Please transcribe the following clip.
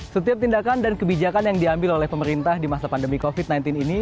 setiap tindakan dan kebijakan yang diambil oleh pemerintah di masa pandemi covid sembilan belas ini